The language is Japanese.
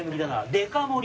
デカ盛り